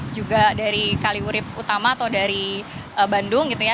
juga dari kaliurip utama atau dari bandung gitu ya